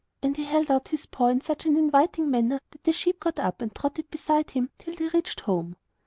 And he held out his paw in such an inviting manner that the sheep got up and trotted beside him till they reached home.